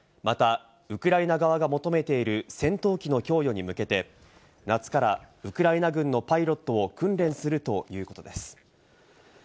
またウクライナ側が求めている戦闘機の供与に向けて、夏からウクライナ軍のパイロットを訓練するということです。